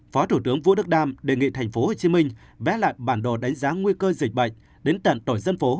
phó thủ tướng vũ đức đam đề nghị tp hcm vé lại bản đồ đánh giá nguy cơ dịch bệnh đến tận tổ dân phố